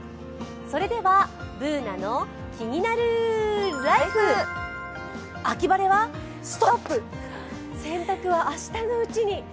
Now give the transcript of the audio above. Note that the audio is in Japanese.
それでは「ＢｏｏｎａのキニナルＬＩＦＥ」秋晴れはストップ、洗濯は明日のうちに。